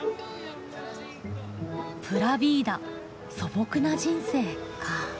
プラビーダ素朴な人生か。